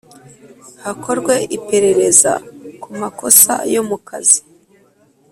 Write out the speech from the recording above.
hakorwe iperereza ku makosa yo mu kazi